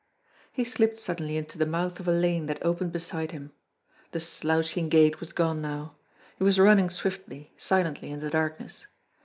He slipped suddenly into the mouth of a lane that opened beside him. The slouching gait was gone now. He was running swiftly, silently, in the darkness.